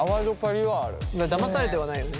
だまされてはないよね。